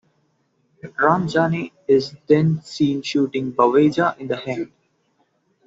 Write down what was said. Ram Jaane is then seen shooting Baweja in the head.